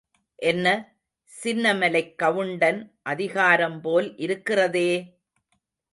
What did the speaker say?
என்ன, சின்னமலைக் கவுண்டன் அதிகாரம் போல் இருக்கிறதே!